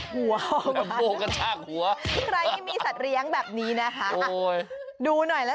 เขาบอกทำไมพ่อไม่สอนแรมโบว่าอย่ากัดหัวแม่